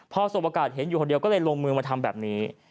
พอสบโอกาสเห็นอยู่คนเดียวก็เลยลงมือมาทำแบบนี้